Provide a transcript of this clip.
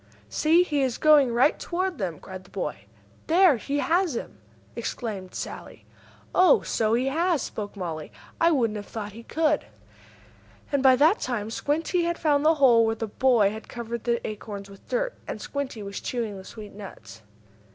"See, he is going right toward them!" cried the boy. "There, he has them!" exclaimed Sallie. "Oh, so he has!" spoke Mollie. "I wouldn't have thought he could!" And, by that time, Squinty had found the hole where the boy had covered the acorns with dirt, and Squinty was chewing the sweet nuts.